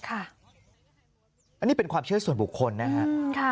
อันนี้เป็นความเชื่อส่วนบุคคลนะครับ